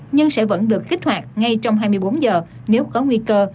nhưng sẽ vẫn được kích hoạt ngay trong hai mươi bốn giờ nếu có nguy cơ